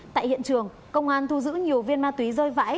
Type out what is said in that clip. tại hiện trường công an thu giữ nhiều viên ma túy rơi vãi